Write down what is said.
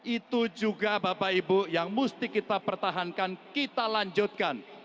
itu juga bapak ibu yang mesti kita pertahankan kita lanjutkan